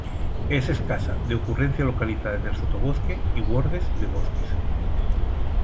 Es escasa, de ocurrencia localizada en el sotobosque y bordes de bosques.